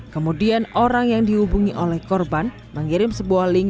kemudian orang yang dihubungi oleh korban mengirim sebuah link